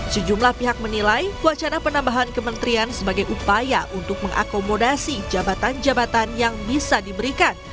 sejumlah pihak menilai wacana penambahan kementerian sebagai upaya untuk mengakomodasi jabatan jabatan yang bisa diberikan